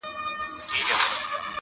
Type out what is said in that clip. تسلیت لره مي راسی لږ یې غم را سره یوسی.